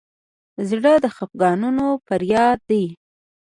زړه د خفګانونو فریاد دی.